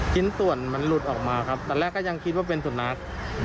ชิ้นส่วนมันหลุดออกมาครับตอนแรกก็ยังคิดว่าเป็นสุนัข